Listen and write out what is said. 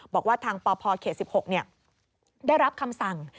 บอกว่าทางปพเขต๑๖ได้รับคำสั่ง